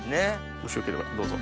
もしよければどうぞ。